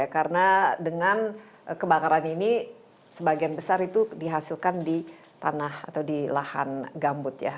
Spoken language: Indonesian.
karena dengan kebakaran ini sebagian besar itu dihasilkan di tanah atau di lahan gambut ya